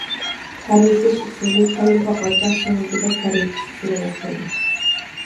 تەرلىتىش ئۇسۇلى كاللا-پاقالچاق سۆڭىكىدە تەرلىتىش ئۇسۇلىغا ئوخشايدۇ.